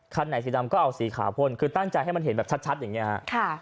คันไหนสีดำก็เอาสีขาวพ่นคือตั้งใจให้มันเห็นแบบชัดอย่างนี้ฮะ